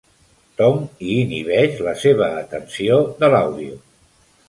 Tom i inhibeix la seva atenció de l'àudio.